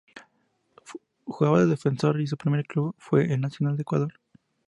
Jugaba de defensor y su primer club fue el El Nacional de Ecuador.